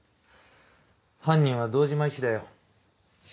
犯人は堂島医師だよ。